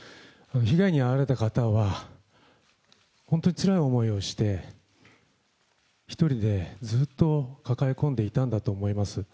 被害に遭われた方は、本当につらい思いをして、１人でずっと抱え込んでいたんだと思います。